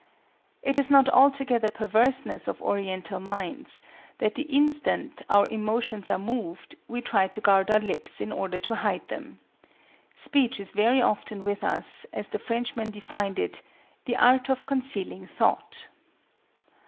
It is not altogether perverseness of oriental minds that the instant our emotions are moved we try to guard our lips in order to hide them. Speech is very often with us, as the Frenchman defined it, "the art of concealing thought."